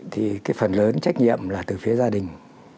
thì cái phần lớn trách nhiệm là từ phía gia đình